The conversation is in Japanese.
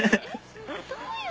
どういう事？